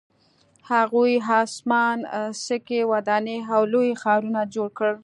هغوی اسمان څکې ودانۍ او لوی ښارونه جوړ کړل